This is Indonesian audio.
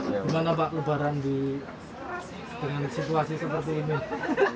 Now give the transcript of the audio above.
gimana pak lebaran dengan situasi seperti ini